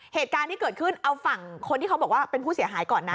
เหตุการณ์ที่เกิดขึ้นเอาฝั่งคนที่เขาบอกว่าเป็นผู้เสียหายก่อนนะ